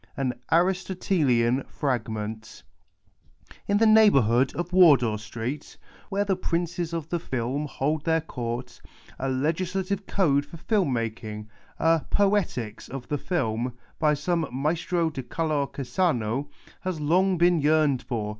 AN ARISTOTELIAN FRAGMENT Ix the nciglibourhood of Wardour Street, where the princes of the film hold their Court, a legislative code for film making, a " Poetics " of the film, by some maestro di color che sanno, has long been yearned for.